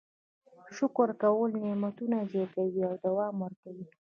شکر کول نعمتونه زیاتوي او دوام ورکوي.